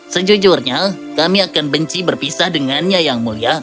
sejujurnya kami akan benci berpisah dengannya yang mulia